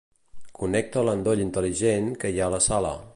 Connecta l'endoll intel·ligent que hi ha a la sala.